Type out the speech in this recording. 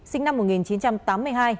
sinh năm một nghìn chín trăm tám mươi hai